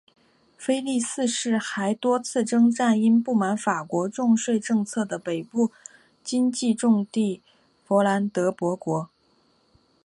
腓力四世还多次征伐因不满法国重税政策的北方经济重地佛兰德伯国。